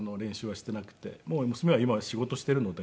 もう娘は今は仕事しているので。